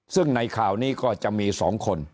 ซึ่งในข่าวนี้ก็จะมี๒คน